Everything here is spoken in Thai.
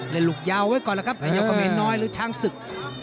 เล่นลูกยาวไว้ก่อนละครับหรือช้างศึก